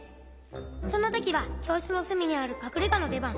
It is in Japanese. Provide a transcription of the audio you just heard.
そんなときはきょうしつのすみにあるかくれがのでばん。